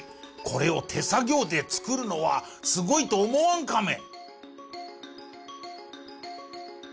これを手作業で作るのはすごいと思わんカメ？